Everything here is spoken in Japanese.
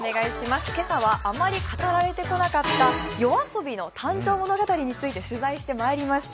今朝は余り語られてこなかったＹＯＡＳＯＢＩの誕生物語について取材してまいりました。